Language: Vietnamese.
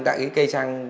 tại cái cây xăng